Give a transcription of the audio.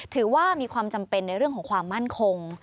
ถือว่ามีความจำเป็นในเรื่องของความมั่นคง